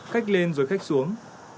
khách lên rồi khách xuống